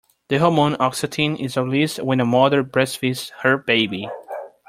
The hormone oxytocin is released when a mother breastfeeds her baby.